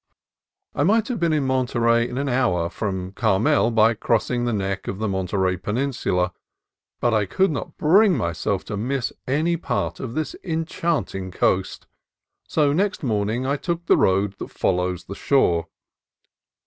I might have been in Monterey in an hour from Carmel by crossing the neck of the Monterey penin sula. But I could not bring myself to miss any part of this enchanting coast, so next morning I took the road that follows the shore.